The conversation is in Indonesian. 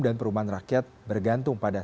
dan perumahan rakyat bergantung pada